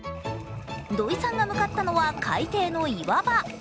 土井さんが向かったのは海底の岩場。